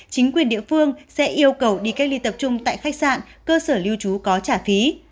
chính quyền địa phương sẽ yêu cầu đi cách ly tập trung tại khách sạn cơ sở lưu trú có trả phí